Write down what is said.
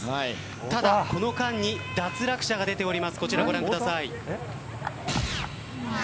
ただ、この間に脱落者が出ております。